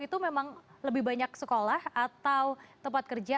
itu memang lebih banyak sekolah atau tempat kerja